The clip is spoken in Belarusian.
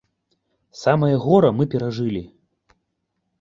Самае гора мы перажылі.